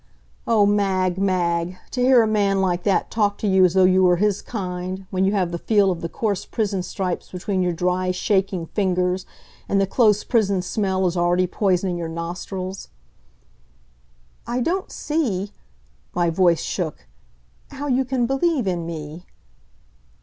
Oh, Mag, Mag, to hear a man like that talk to you as though you were his kind, when you have the feel of the coarse prison stripes between your dry, shaking fingers, and the close prison smell is already poisoning your nostrils! "I don't see " my voice shook "how you can believe in me."